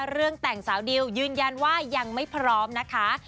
เรื่องแต่งสาวดิวยืนยันว่ายังไม่พร้อมนะคะ